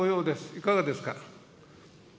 いかがですか。